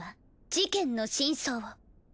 事件の真相を。